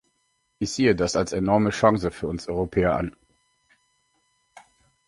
Ich sehe das als enorme Chance für uns Europäer an.